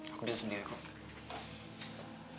aku bisa sendiri kok